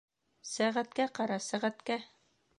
Сәғәткә ҡара, сәғәткә!